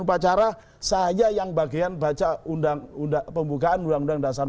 bagian umpacara saya yang bagian baca pembukaan undang undang dasar empat puluh lima